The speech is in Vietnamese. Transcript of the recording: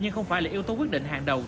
không phải là yếu tố quyết định hàng đầu